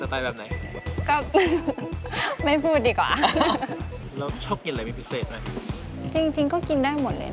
เพราะว่าชอบภาพสไตล์นี้อยู่เลย